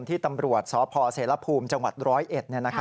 ที่ตำรวจสศพเศรษฐภูมิจังหวัดร้อยเอ็ด